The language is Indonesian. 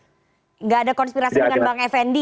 enggak ada konspirasi dengan bang fnd